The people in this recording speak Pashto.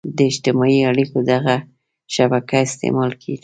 د اجتماعي اړيکو دغه شبکه استعمال کړي.